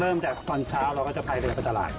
เริ่มจากตอนเช้าเราก็จะไปเรือประตาหลาย